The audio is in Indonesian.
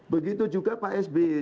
begitu juga pak sby